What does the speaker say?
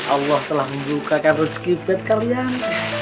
allah telah membukakan rezeki bed kalian